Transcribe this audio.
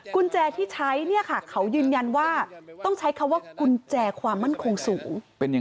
กุญแจที่ใช้เนี่ยค่ะเขายืนยันว่าต้องใช้คำว่ากุญแจความมั่นคงสูง